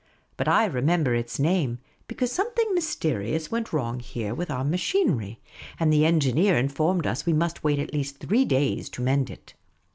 But I remember its name, because something mys terious went wrong there with our machinery ; and the engineer informed us we nmst wait at least three days to mend it.